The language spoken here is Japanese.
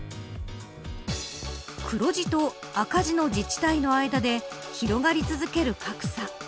黒字と赤字の自治体の間で広がり続ける格差。